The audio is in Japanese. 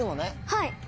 はい。